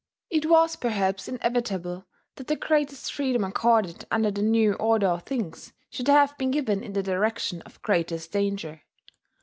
It was perhaps inevitable that the greatest freedom accorded under the new order of things should have been given in the direction of greatest danger.